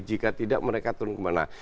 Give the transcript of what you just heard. jika tidak mereka turun kemana